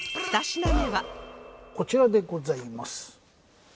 こちらでございます。